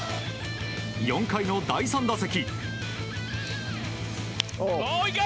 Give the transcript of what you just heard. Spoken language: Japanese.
４回の第３打席。